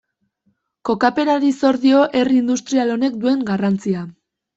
Kokapenari zor dio herri industrial honek duen garrantzia.